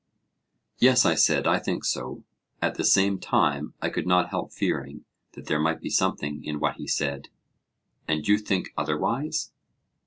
Yes, I said, I think so (at the same time I could not help fearing that there might be something in what he said). And you think otherwise?